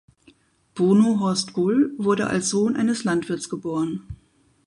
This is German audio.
Bruno Horst Bull wurde als Sohn eines Landwirts geboren.